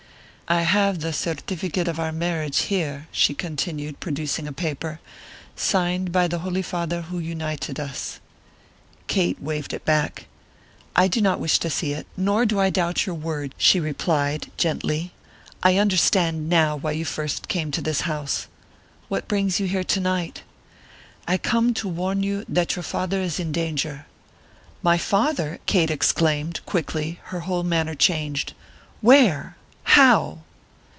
"I have the certificate of our marriage here," she continued, producing a paper, "signed by the holy father who united us." Kate waved it back. "I do not wish to see it, nor do I doubt your word," she replied, gently; "I understand now why you first came to this house. What brings you here to night?" "I come to warn you that your father is in danger." "My father!" Kate exclaimed, quickly, her whole manner changed. "Where? How?"